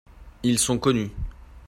Ils sont connus.